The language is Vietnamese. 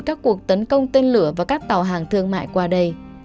các cuộc tấn công tên lửa và các tàu hàng thương mại qua đây